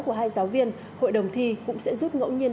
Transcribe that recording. của hai giáo viên hội đồng thi cũng sẽ rút ngẫu nhiên